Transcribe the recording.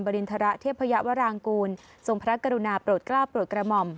ริณฑระเทพยาวรางกูลทรงพระกรุณาโปรดกล้าโปรดกระหม่อม